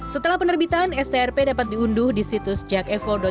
setelah penerbitan strp dapat diunduh di situs jakevo jakarta go id